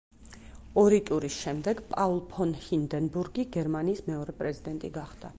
ორი ტურის შემდეგ პაულ ფონ ჰინდენბურგი გერმანიის მეორე პრეზიდენტი გახდა.